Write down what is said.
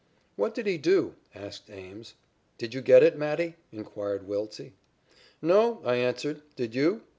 "What did he do?" asked Ames. "Did you get it, Matty?" inquired Wiltse. "No," I answered. "Did you?"